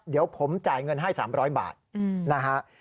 เดี๋ยวผมจ่ายเงินให้๓๐๐บาทนะฮะ